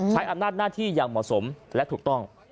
ใช้อำนาจหน้าที่อย่างเหมาะสมและถูกต้อง